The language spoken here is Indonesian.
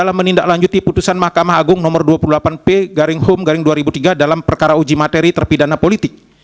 menindaklanjuti putusan mk nomor dua puluh delapan p hom dua ribu tiga dalam perkara uji materi terpidana politik